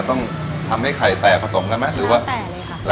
ต้องทำให้ไข่แตกผสมกันไหมหรือว่าแตกเลยค่ะ